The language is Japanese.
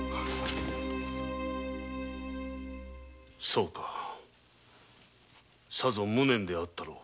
そうかさぞ無念であったろう。